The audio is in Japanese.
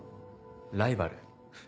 ライバル？